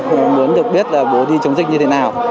bố muốn được biết là bố đi chống dịch như thế nào